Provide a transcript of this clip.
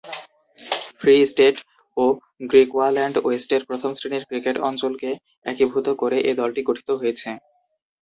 Free State ও Griqualand ওয়েস্টের প্রথম-শ্রেণীর ক্রিকেট অঞ্চলকে একীভূত করে এ দলটি গঠিত হয়েছে।